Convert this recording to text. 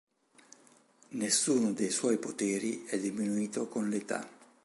Nessuno dei suoi poteri è diminuito con l'età.